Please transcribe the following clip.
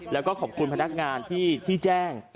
แล้วก็ขอบคุณพนักงานที่แจ้ง